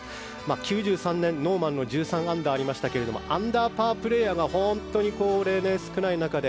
９３年、ノーマンの１３アンダーがありましたがアンダーパープレーヤーが本当に例年少ない中で。